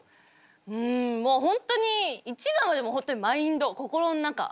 うんもう本当に一番はでも本当にマインド心の中。